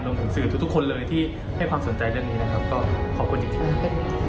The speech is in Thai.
รวมถึงสื่อทุกคนเลยที่ให้ความสนใจเรื่องนี้นะครับก็ขอบคุณจริง